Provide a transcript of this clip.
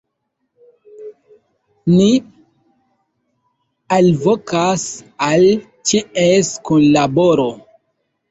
Ni alvokas al ĉies kunlaboro.